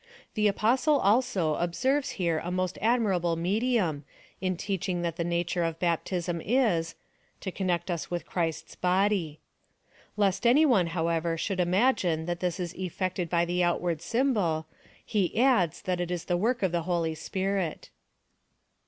The Apostle, also, observes here a most admirable medium, in teaching that the nature of baptism is — to connect us with Christ's body. Lest any one, however, should imagine, that this is effected by the outward symbol, he adds that it is the work of the Holy Spirit.